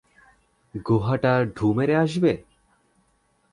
গুহাটা ঢুঁ মেরে আসবে?